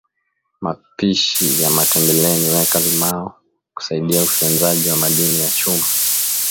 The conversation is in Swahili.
mapishi ya matembeleni weka limao kusaidia ufyonzaji wa madini ya chuma